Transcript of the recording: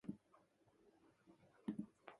桃太郎侍の時代背景は、江戸時代であっていますか。